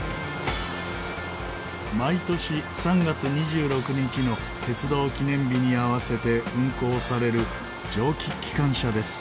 毎年３月２６日の鉄道記念日に合わせて運行される蒸気機関車です。